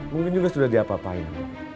mungkin juga sudah diapa apain